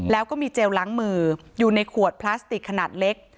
แล้วก็มีเจลล้างมืออยู่ในขวดพลาสติกขนาดเล็ก